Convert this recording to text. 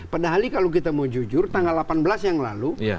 padahal kalau kita mau jujur tanggal delapan belas yang lalu